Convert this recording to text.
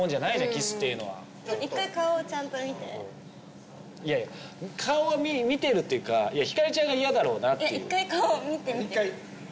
キスっていうのは一回顔をちゃんと見ていやいや顔は見てるっていうかいやひかりちゃんが嫌だろうなっていういや一回顔見て見て一回！